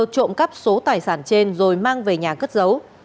trộm cắp số tài sản trên rồi mang về nhà cất giấu